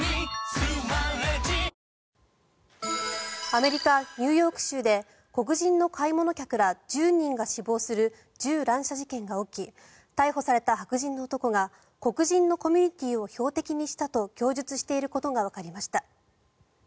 アメリカ・ニューヨーク州で黒人の買い物客ら１０人が死亡する銃乱射事件が起き逮捕された白人の男が黒人のコミュニティーを標的にしたと供述していることがわかりました。